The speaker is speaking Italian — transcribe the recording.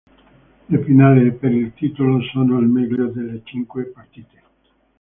Le finali per il titolo sono al meglio delle cinque partite.